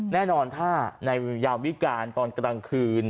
แน่นอนถ้าในยามวิการตอนกลางคืน